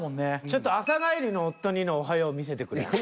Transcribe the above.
ちょっと朝帰りの夫にの「おはよう」見せてくれん？